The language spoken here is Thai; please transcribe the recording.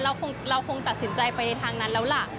เราคงตัดสินใจไปในทางนั้นแล้วล่ะ